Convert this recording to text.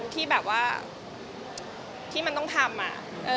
ที่มันต้องทำ